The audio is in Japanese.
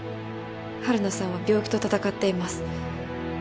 晴汝さんは病気と闘っています。